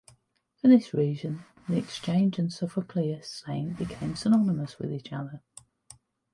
For this reason the Exchange and Sofocleous Saint became synonymous with each other.